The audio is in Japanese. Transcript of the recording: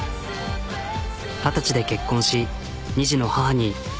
二十歳で結婚し２児の母に。